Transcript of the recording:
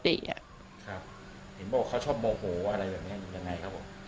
ครับเห็นบอกเขาชอบโมโหอะไรแบบเนี้ยอย่างไรครับผม